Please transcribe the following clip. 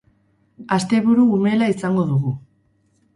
Asteburu umela izango dugu.